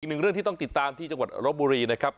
หนึ่งเรื่องที่ต้องติดตามที่จังหวัดรบบุรีนะครับ